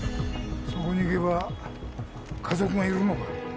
そこに行けば家族がいるのか？